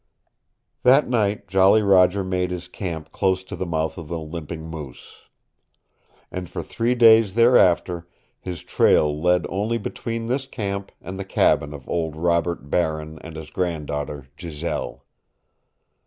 That night Jolly Roger made his camp close to the mouth of the Limping Moose. And for three days thereafter his trail led only between this camp and the cabin of old Robert Baron and his granddaughter, Giselle.